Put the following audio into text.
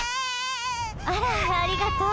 あらありがとう。